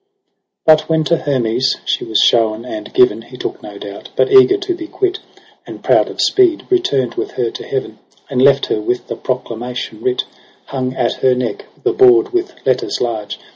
But when to Hermes she was shown and given. He took no doubt, but eager to be quit. And proud of speed, returned with her to heaven. And left her with the proclamation writ. Hung at her neck, the board with letters large.